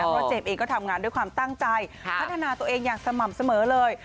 เพราะเจมส์เองก็ทำงานด้วยความตั้งใจพัฒนาตัวเองอย่างสม่ำเสมอเลย